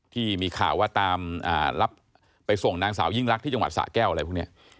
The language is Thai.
ที่มีข่าวว่าตามรับไปส่งนางสาวยิ่งรักที่จังหวัดสะแก้วอะไรพวกนี้